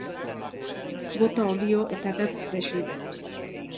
Bota olio eta gatz dexente.